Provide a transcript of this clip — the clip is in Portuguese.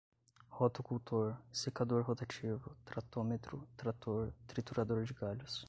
rotocultor, secador rotativo, tratometro, trator, triturador de galhos